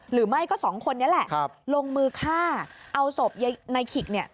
หรือไม่ก็สองคนนี้แหละลงมือฆ่าเอาศพยายในขิกเนี่ย